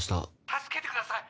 助けてください！